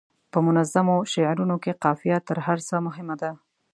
په منظومو شعرونو کې قافیه تر هر څه مهمه ده.